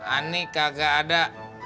ani kagak ada